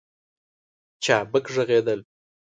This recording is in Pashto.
چابک ږغېدل